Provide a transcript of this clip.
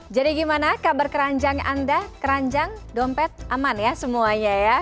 jadi gimana kabar keranjang anda keranjang dompet aman ya semuanya ya